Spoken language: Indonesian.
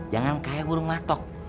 jangan kaya burung matok